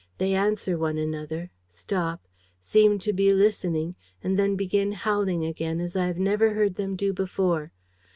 They answer one another, stop, seem to be listening and then begin howling again as I have never heard them do before.